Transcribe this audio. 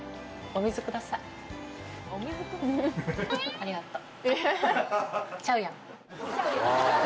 ありがとう。